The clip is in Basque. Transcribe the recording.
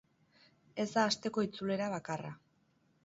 Ez da asteko itzulera bakarra.